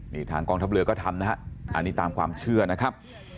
นี่ทางกองทัพเรือก็ทำนะฮะอันนี้ตามความเชื่อนะครับ